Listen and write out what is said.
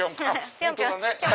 ぴょんぴょんして。